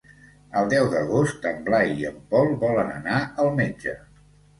El deu d'agost en Blai i en Pol volen anar al metge.